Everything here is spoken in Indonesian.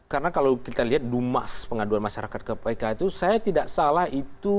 karena kalau kita lihat dumas pengaduan masyarakat kpk itu saya tidak salah itu